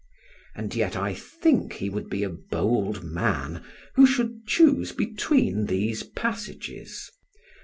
And yet I think he would be a bold man who should choose between these passages.